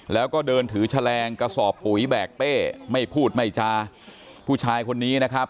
แล้วก็เดินถือแฉลงกระสอบปุ๋ยแบกเป้ไม่พูดไม่จาผู้ชายคนนี้นะครับ